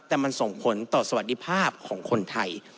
แต่มันส่งผลต่อสวัสดิภาพของคนไทย